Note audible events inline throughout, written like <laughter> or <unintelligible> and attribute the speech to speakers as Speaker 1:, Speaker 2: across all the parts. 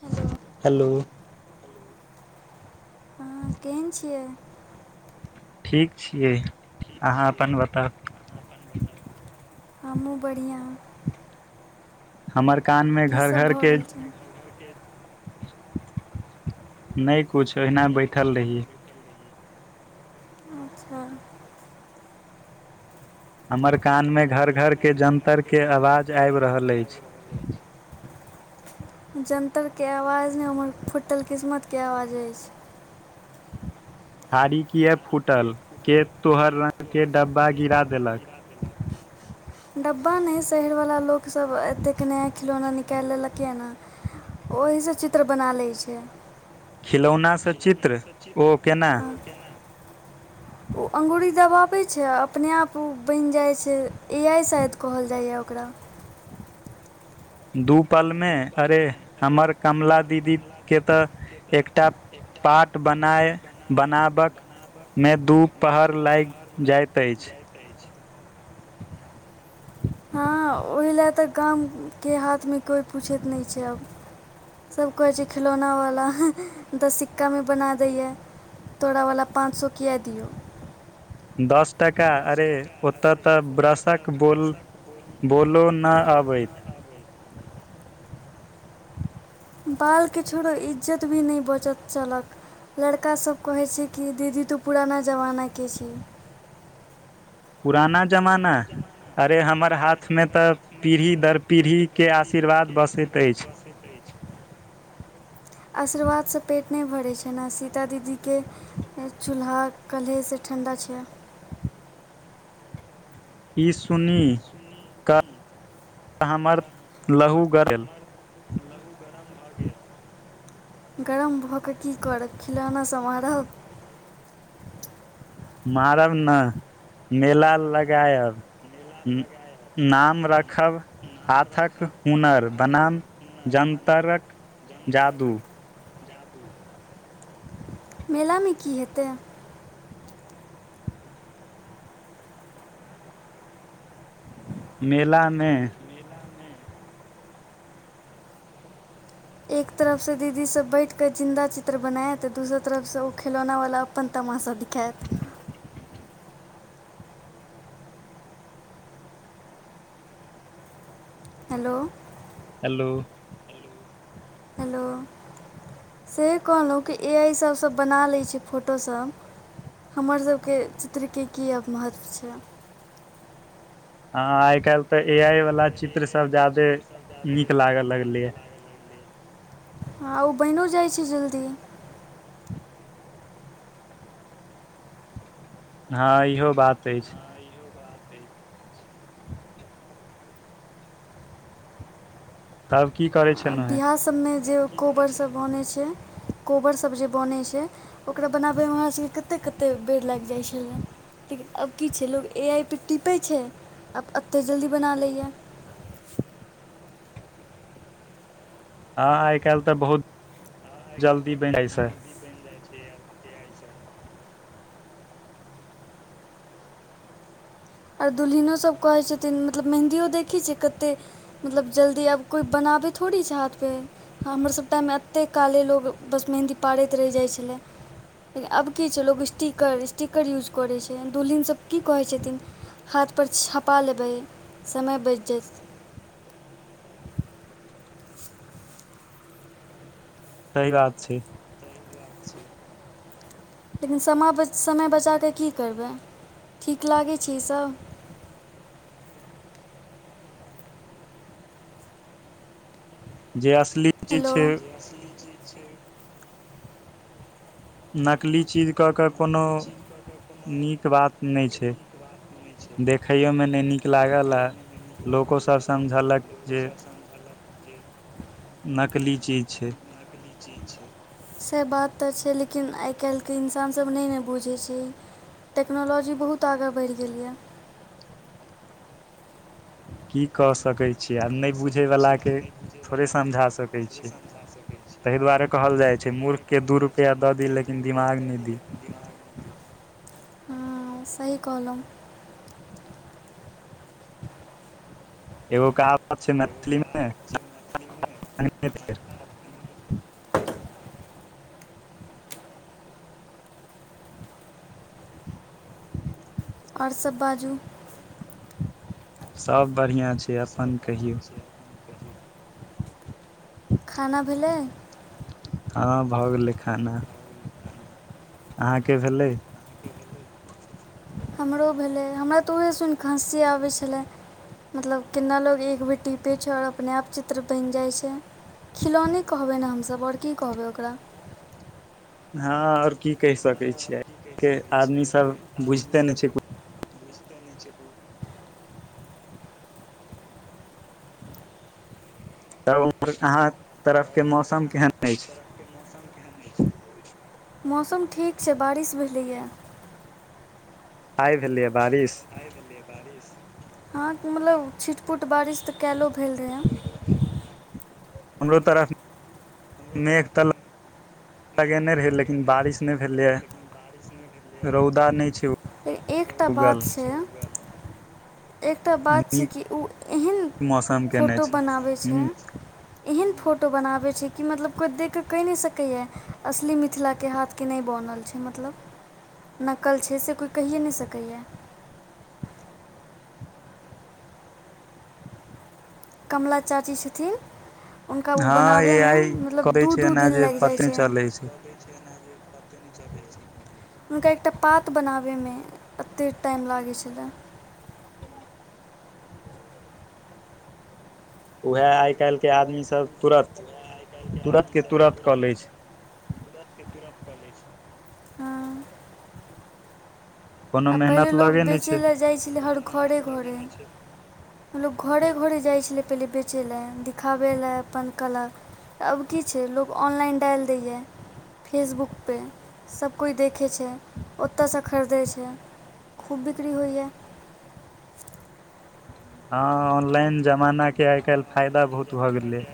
Speaker 1: Hello
Speaker 2: hello
Speaker 1: हँ केहन छियै।
Speaker 2: ठीक छियै अहाँ अपन बताउऽ
Speaker 1: हमहुँ बढ़िआँ
Speaker 2: हमर कान मे
Speaker 1: की
Speaker 2: घरऽ
Speaker 1: सब
Speaker 2: घरऽ
Speaker 1: भऽ
Speaker 2: के
Speaker 1: रहल छै
Speaker 2: नहि कुछ अहिना बैठल रहियै
Speaker 1: अच्छाऽ
Speaker 2: हमर कानमे घर ऽघरके जन्तरके आवाज आब रहल अछि
Speaker 1: जन्तर के आवाज ने हमर फुटल किस्मत के आवाज अछि
Speaker 2: भारी किए फूटल के तोहर रङ्गके डब्बा गिरा देलक
Speaker 1: डब्बा नहि शहरवला लोकसभ एतेक नया खिलौना निकैल लेलकै ह न ओहीसँ चित्र बना लैए छै
Speaker 2: खिलौनासँ चित्र ओ केना
Speaker 1: ओ अ्गूुरी दवावैय छै आ अपने आप ओ बनि जाइ छै ए आइ शायद कहल जाइए ओकरा
Speaker 2: दुू पलमे अरे हमर कमला दीदीके तऽ एकटा पाट बनाय बनाबक मे दू पहर लाग जाइत अछि ह <inaudible>
Speaker 1: हँ ओहि लए तऽ गामके हाथमे कोइ पूछैत नैयछै आब सभ कहै छै खिलौनावला तऽ सिक्कामे बना दैयए तोरावला पाँच सए किए दियौ
Speaker 2: दस टाका अरे ओतऽ तऽ ब्रशक बोल बोलऽ न आबैत
Speaker 1: बालके छोड़ो इज्जत भी नहि बचत चलक लड़का सब कहै छै कि दीदी तू पुराना जमानाके छी
Speaker 2: पुराना जमाना अरे हमर हाथमे तऽ पीढ़ी दर पीढ़ीके आशीर्वाद बसैत अछि
Speaker 1: बसैत अछि आशीर्वादसँ पेट नहि भरैत छै ने आ सीता दीदीके चूल्हा कल्हेसँ ठण्डा छै
Speaker 2: ई सुनी क हमर लहू गड़ल
Speaker 1: गरम भऽ कऽ की करब खिलौना सऽ मारब
Speaker 2: मारब नऽ मेला लगायब ह नाम रखब हाथक हुनर बनााम जन्तरक जादू
Speaker 1: मेलामे की हेतै
Speaker 2: मेलामे
Speaker 1: एक तरफसँ दीदी सब बैठ कऽ जिन्दा चित्र बनायत तऽ दोसर तरफसँ ओ खिलौना वला अपन तमासा दिखात हेलो
Speaker 2: हेलो
Speaker 1: हेलो से कहलहुँ कि ए आई सभसँ बना लै छै फोटोसभ हमर सभके चित्रके की आब महत्व छैय
Speaker 2: हँ आई काल्हि तऽ ए आई वाला चित्र सब ज्यादे नीक लागे लगले ऐ
Speaker 1: हँ ओ बनिओ जाइ छैय जल्दी
Speaker 2: हँ इहो बात अछि तब की करै छ
Speaker 1: अऽ बिआह सबमे जे कोबर सब बनै छै कोबरसब जे बनै छैय ओकरा बनाबैमे हमरा सभके कतेक -कतेक बेर लागि जाइ छलए लेकिन आब की छै लोग ए आइ पे टीपै छैय आब एते जल्दी बना लैय
Speaker 2: हँ आइ काल्हि तऽ बहुत जल्दी बनि जाइत छै
Speaker 1: आओर दुलहिनोसभ कहैत छथिन मतलब मेहन्दियो देखैत छिये कतेक मतलब जल्दी अब कोइ बनाबै थोड़ी छै हाथ पे हमरसभ टाइममे एतेक काले लोग बस मेहन्दी पारैत रहि जाइत छलै लेकिन आब की छैय लोग स्टीकर स्टीकर यूज करै छैय दुल्हिनसभ की कहैत छथिन हाथ पर छपा लेबै समय बचि जेयत
Speaker 2: सही बात छैय
Speaker 1: लेकिन सम समय बचाके की करबै ठीक लागै छैय ई सब
Speaker 2: जे असली चीज
Speaker 1: हेलो
Speaker 2: छै नकली चीज कऽ कऽ कोनो नीक बात नहि छैय देखैयोमे नहि नीक लागल आ लोकोसभ समझलक
Speaker 1: <unintelligible>
Speaker 2: जे नकली चीज छै
Speaker 1: से बात तऽ छैय लेकिन आइ काल्हिके इन्सानसब नै ने बुझै छैय टेक्नोलॉजी बहुत आगाँ बढ़ि गेलै यऽ
Speaker 2: की कऽ सकै छी आब नै बुझैवलाके थोड़े समझा सकै छी ताहि दुआरे कहल जाइ छै मूर्खके दू रुपैया दऽ दी लेकिन दिमाग नै दी
Speaker 1: हाॅं सही कहलौ
Speaker 2: एगो कहावत छै मैथिलीमे
Speaker 1: आओर सब बाजू
Speaker 2: सब बढ़िआँ छैय अपन कहियौ
Speaker 1: खाना भेलै
Speaker 2: हँ भऽ गेलै खाना अहाँके भेलै
Speaker 1: हमरो भेलै हमरा तऽ उहे सुनि कऽ हॅंसी आबै छलै मतलब केना लोग एक बेर टीपै छै आओर अपने आप चित्र बनि जाइ छै खिलौने कहबै ने हमसब आओर की कहबै ओकरा
Speaker 2: हँ आओर की कहि सकै छियै के आदमी सब बुझते नै छैय
Speaker 1: दस न छैप <unintelligible>
Speaker 2: तब उमहर अहाँ तरफके मौसम केहन अछि।
Speaker 1: मौसम ठीक छैय बारिश भेलैया
Speaker 2: आइ भेलैया बारिश।
Speaker 1: आई भेलैया बारिस हँ त मतलब छिट पुट बारिश तऽ कायलो भेल रहै
Speaker 2: हमरो तरफ नेक तल लगेने रहै लेकिन बारिश नै भेलै या रौदा नै छौ
Speaker 1: एकटा बात छै एकटा बात छै
Speaker 2: नीक
Speaker 1: कि उ एहन
Speaker 2: मौसम केने
Speaker 1: फोटो
Speaker 2: छै
Speaker 1: बनाबै
Speaker 2: हूँ
Speaker 1: छैय एहन फोटो बनाबै छैय कि मतलब कोइ देख कऽ कहि नै सक कै या असली मिथिला के हाथ के नै बनल छैय मतलब नकल छैय से कोई। कहिए नै सकैया कमला चाची छथिन हुनका उ
Speaker 2: हँ ए
Speaker 1: बनाबैमे
Speaker 2: आइ
Speaker 1: मतलब
Speaker 2: करै
Speaker 1: दू
Speaker 2: छै
Speaker 1: दू
Speaker 2: एना
Speaker 1: दिन
Speaker 2: जे
Speaker 1: लागि जाइ
Speaker 2: पते
Speaker 1: छैय।
Speaker 2: चलै
Speaker 1: छै ने जेत <unintelligible> हुनका एकटा पात बनाबैमे एते टाइम लागै छलै।
Speaker 2: उएह आइ काल्हिके आदमीसब तुरन्त तुरन्तके तुरन्त कऽ लै छैय।
Speaker 1: तुरन्त के तुरन्त क लै छैय। हां
Speaker 2: कोनो
Speaker 1: आ पहिले
Speaker 2: मेहनत
Speaker 1: लोक
Speaker 2: लगे नहि
Speaker 1: बेचय
Speaker 2: छै
Speaker 1: लए जाइ छलै हर खरे घरे। मतलब घरे घरे जाइ छलै पहिले बेचय लए दिखाबै लेए अपन कला। आब की छैय लोक ऑनलाइन डालि दैया। फेसबुकपे सबकोइ देखै छैय ओतयसँ खरीदै छैय। खूब बिकरी होइया
Speaker 2: हँ ऑनलाइन जमानाके आइ काल्हि फाइदा बहुत भऽ गेलै।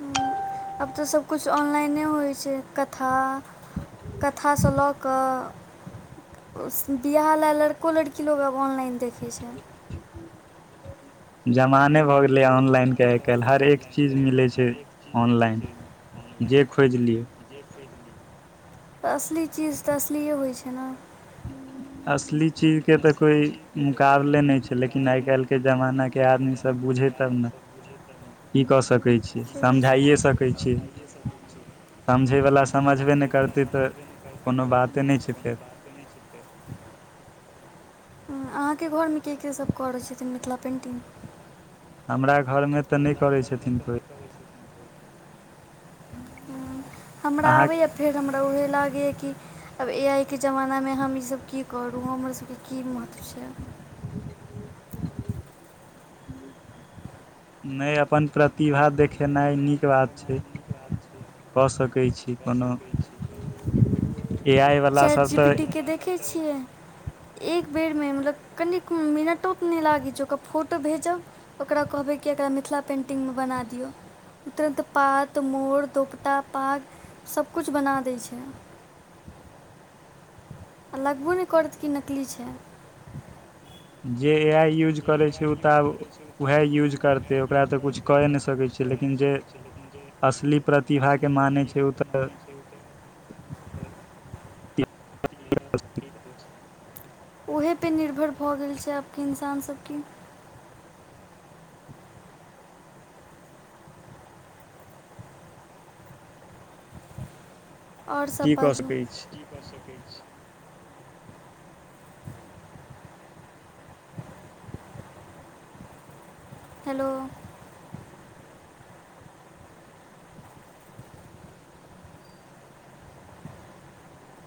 Speaker 1: हूँ आब तऽ सबकिछ ऑनलाइने होइ छैय कथा कथासँ लऽ कऽ बियाह लए लड़को लड़की लोक आब ऑनलाइन देखै छैय।
Speaker 2: जमाने भऽ गेलैया ऑनलाइनके आइ काल्हि हरेक चीज मिलै छैय ऑनलाइन। जे खोज लिय।
Speaker 1: <unintelligible> तऽ असली चीज तऽ असलिये होइ छैय न।
Speaker 2: असली चीज के तऽ कोइ मुकाबले नै छै लेकिन आइ काइल केँ ऐ जमाना केँ आदमी सब बुझे तब न <inaudible> की कऽ सकै छी।
Speaker 1: <unintelligible> सबझवला समझ
Speaker 2: समझैवला समझबे नहि करतै तऽ कोनो बाते नै छै फेर।
Speaker 1: <unintelligible> अहाँ केँ घरमे केँ केँ सब करै छथिन मिथिला पेंटिंग।
Speaker 2: हमरा घर में तऽ नै करै छथिन कोइ।
Speaker 1: हमरा
Speaker 2: अहाँ
Speaker 1: आबै ए फेर हमरा उहे लागैए कि आब ए आइ केँ जमाना में हम ई सभ की करू हमरा सब केँ की महत्व छै।
Speaker 2: <unintelligible> नै अपन प्रति तिभा देखेनै नीक बात छै कऽ सकै छी। कोनो ए आइ
Speaker 1: <unintelligible>
Speaker 2: वला
Speaker 1: चैट
Speaker 2: सब
Speaker 1: जी पी टी
Speaker 2: तऽ
Speaker 1: केँ देखे छियै। एक बेर में मतलब कनि मिनटो तऽ नै लागैत छै ओकरा फोटो भेजब ओकरा कहबै कि एकरा मिथिला पेन्टिंग में बना दियौ। तुरन्त पात मोर दोपटा पाग सभ कुछ बना दैत छैय। आ लगबो नै करत कि नकली छै।
Speaker 2: जे ए आइ यूज करै छै उऽ तऽ अब उहै यूज करतै ओकरा तऽ किछ कऽ ए नै सकै छियै लेकिन जे असली प्रतिभा केँ मानै छै ओ तऽ
Speaker 1: <unintelligible>
Speaker 2: की
Speaker 1: ओहे पर निर्भर भऽ गेल छै आब केँ इन्सान सब की। और सब
Speaker 2: कऽ
Speaker 1: बाजू
Speaker 2: सकै छी
Speaker 1: की कऽ सकै छियै <unintelligible> हेलो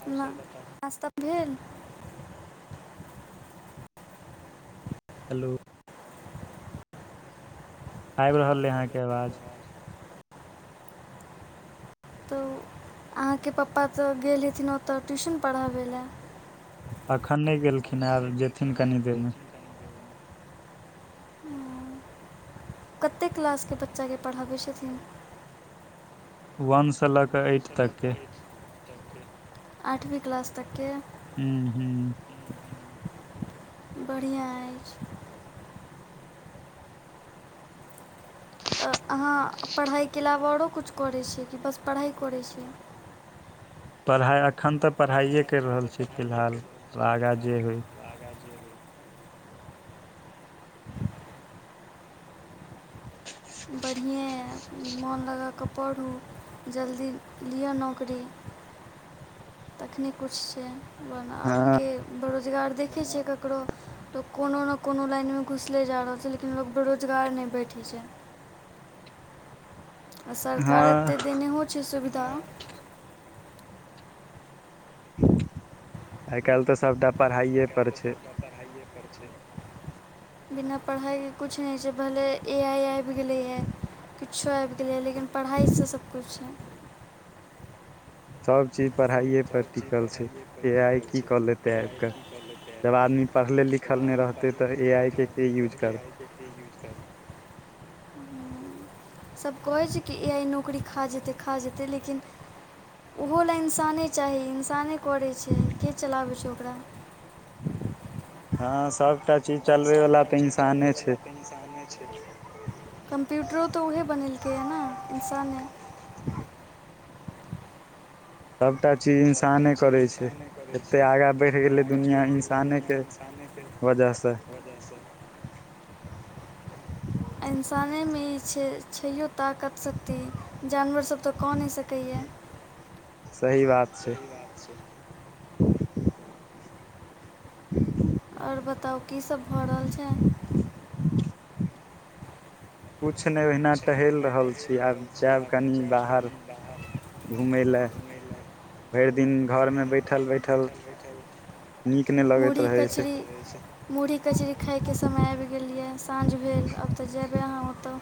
Speaker 1: <unintelligible> नास्ता भेल।
Speaker 2: हेलो आइब रहलै अहाँकेँ आवाज।
Speaker 1: तो उऽ अहाँकेँ पप्पा तऽ गेल हथिन ओतऽ ट्यूशन पड़हाबे लए।
Speaker 2: अखन नै गेलखिन आब जेथिन कनि देर में।
Speaker 1: कतेक क्लास केँ बच्चा कऽ पड़हबैत छथि।
Speaker 2: वन स लऽ कऽ एट तक के
Speaker 1: <unintelligible> अठवीं क्लास तक केँ
Speaker 2: <unintelligible>
Speaker 1: <unintelligible> बड़ियाँ ऐछ तऽ अहाँ पड़हाइ केँ अलावा औरो कुछ करै छियै कि बस पड़हाइ करै छियै।
Speaker 2: पड़हाय एखन तऽ पड़हाए कैर रहल छी फिलहाल आगाँ जे होइ।
Speaker 1: बड़हिए ए मोन लगा कऽ पड़हु जल्दी लिअ नौकरी। तखने कुछ छै बनरा अब
Speaker 2: हँ
Speaker 1: केँ बेरोजगार देखै छियै क करो तो कोनो न कोनो लाइन में घुसले जा रहल छै लेकिन लोक बेरोजगार नै बैठै छै। आ आ सरकार
Speaker 2: हँ
Speaker 1: एतै देनेहो छै सुविधा।
Speaker 2: <inaudible> आइ काइल तऽ सबटा पड़हाए पर छै।
Speaker 1: <inaudible> बिना पढ़ाई केँ कुछ नै छै भले। ए आइ आएब गेलैए किछो आएब गेलैए लेकिन पढ़ाइसँ सबकुछ छै
Speaker 2: सबचीज पढ़ाइे पर टिकल छै की ए आई की क लेते आइब के जब आदमी पढ़ले लिख लिखल नय रहतै तऽ ए आइ के के यूज करतै
Speaker 1: के के यूज करते
Speaker 2: <inaudible>
Speaker 1: सभ कहै छै कि ए आइ नौकरी खा जेतै खा जेतै लेकिन ओहो लेलए इंसाने चाही इंसाने करै छै के चलाबै छै ओकरा
Speaker 2: हँ सबटा चीज चलबे वला तऽ इंसाने छै
Speaker 1: इंसाने छै कम्प्यूटरो तऽ उहे बनेलकैए ने इंसाने
Speaker 2: सबटा चीज इन्साने करै छै एतेक आगाँ बढ़ि गेलै दुनिया इंसाने के वजह सँ <inaudible>
Speaker 1: आ इन्साने मे ई छै छयो ताकत शक्ति जानवरसभ तऽ कऽ नय सकैए या
Speaker 2: सही बात छै <inaudible>
Speaker 1: ओर बताउ की सब भऽ रहल छै
Speaker 2: किछु नय ओहिना टहेल रहल छी आब जायब कनि बाहर घूमय लए भेर दिन घर में बैठल बैठल नीक नय लगैत
Speaker 1: मुरही
Speaker 2: रहै छै
Speaker 1: कचरी मुरही कचरी खाइके समय आइब गेल यऽ साँझ भेल आब तऽ जेबै अहाँ ओतऽ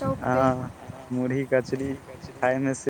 Speaker 1: चौकपर
Speaker 2: मुरही कचरी खायमे से